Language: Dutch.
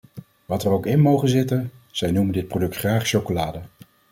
Wat er ook in moge zitten, zij noemen dit product graag chocolade.